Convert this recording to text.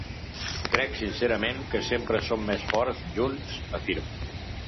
Crec sincerament que sempre som més forts junts, afirma.